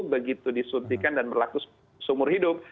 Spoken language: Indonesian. begitu disuntikan dan berlaku seumur hidup